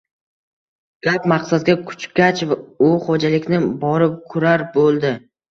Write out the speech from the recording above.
gap maqsadga kuchgach, u xo`jalikni borib kurar bo`ldi